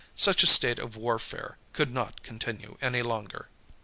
Such a state of warfare could not continue any longer.